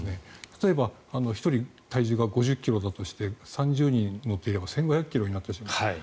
例えば１人体重が５０ｋｇだとして３０人乗っていれば１５００ｋｇになってしまう。